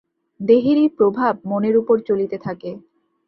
দেহেরই প্রভাব মনের উপর চলিতে থাকে।